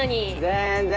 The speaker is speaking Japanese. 全然！